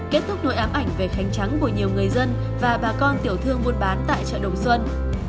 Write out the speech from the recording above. kết thúc nội ám ảnh về khánh trắng của nhiều người dân và bà con tiểu thương buôn bán tại chợ đồng xuân